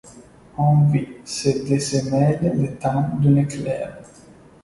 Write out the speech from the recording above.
On vit ses deux semelles le temps d’un éclair.